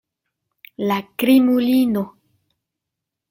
La krimulino!